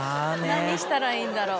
何したらいいんだろう。